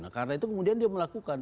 karena itu kemudian dia melakukan